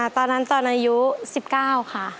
ตอนนั้นตอนอายุ๑๙ค่ะ